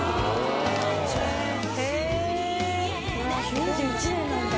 ９１年なんだ。